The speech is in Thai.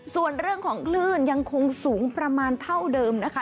ส่วนเรื่องของคลื่นยังคงสูงประมาณเท่าเดิมนะคะ